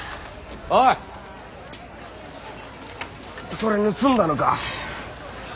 それ盗んだのか？